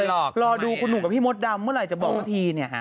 รอดูคุณหนุ่มกับพี่มดดำเมื่อไหร่จะบอกสักทีเนี่ยฮะ